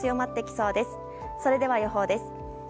それでは予報です。